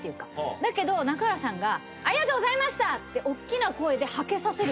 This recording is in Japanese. だけど中原さんが「ありがとうございました」っておっきな声ではけさせるという。